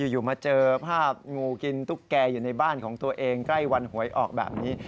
อยู่มาเจอภาพงูกินตุ๊กแกอยู่ในบ้านของตัวเองใกล้วันหวยออกแบบนี้